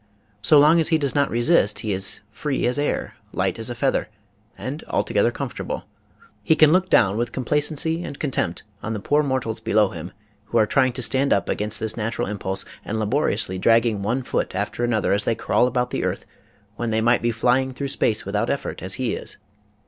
So long as he does not resist he is free as air, light as a feather, and altogether comfortable. He can look down with complacency and contempt on the poor mortals below him who are trying to stand up against this natural impulse and laboriously dragging one foot after an other as they crawl about the earth when they might be flying through space without effort as he is.